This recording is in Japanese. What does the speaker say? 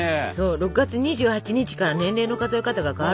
６月２８日から年齢の数え方が変わるんだってね。